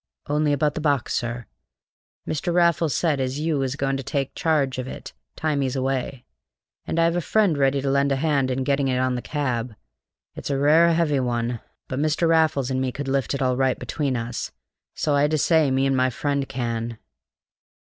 "Only about the box, sir. Mr. Raffles said as you was goin' to take chawge of it time he's away, and I've a friend ready to lend a 'and in getting it on the cab. It's a rare 'eavy 'un, but Mr. Raffles an' me could lift it all right between us, so I dessay me an' my friend can."